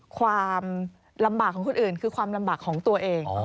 ความลำบากของคนอื่นคือความลำบากของตัวเอง